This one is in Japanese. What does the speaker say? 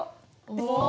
お！